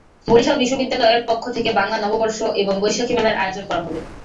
বরিশাল বিশ্ববিদ্যালয়ের পক্ষ থেকে বাংলা নববর্ষ এবং বৈশাখী মেলার আয়োজন করা হবে।